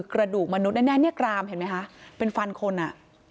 กระดูกมนุษย์แน่เนี่ยกรามเห็นไหมคะเป็นฟันคนอ่ะ